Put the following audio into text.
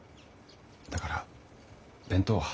だから弁当は。